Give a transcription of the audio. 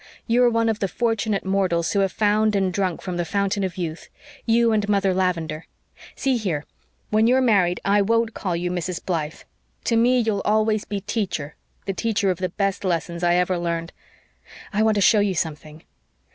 "You are one of the fortunate mortals who have found and drunk from the Fountain of Youth, you and Mother Lavendar. See here! When you're married I WON'T call you Mrs. Blythe. To me you'll always be 'Teacher' the teacher of the best lessons I ever learned. I want to show you something."